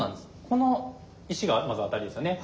この石がまずアタリですよね。